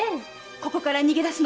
ここから逃げ出すの。